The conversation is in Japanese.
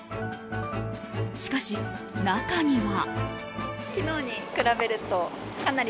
しかし、中には。